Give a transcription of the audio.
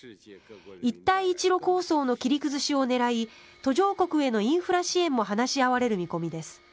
一帯一路構想の切り崩しを狙い途上国へのインフラ支援も話し合われる見込みです。